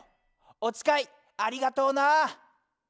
おつかいありがとうな。